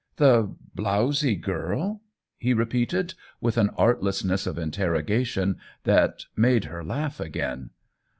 " The blowzy girl ?" he repeated, with an artlessness of interrogation that made her laugh again.